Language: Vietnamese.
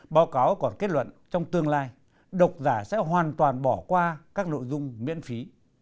báo cáo còn kết luận trong tương lai độc giả sẽ hoàn toàn bỏ qua các nội dung miễn phí